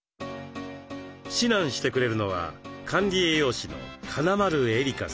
指南してくれるのは管理栄養士の金丸絵里加さん。